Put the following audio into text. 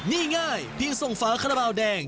นี่ง่ายเพียงส่งฝาคาราบาลแดง